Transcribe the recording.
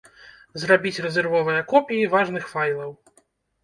Зрабіць рэзервовыя копіі важных файлаў.